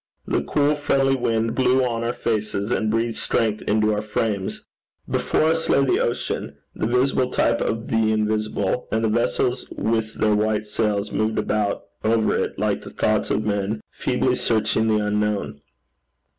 The cool friendly wind blew on our faces, and breathed strength into our frames. Before us lay the ocean, the visible type of the invisible, and the vessels with their white sails moved about over it like the thoughts of men feebly searching the unknown.